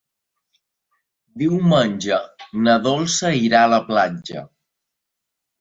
Diumenge na Dolça irà a la platja.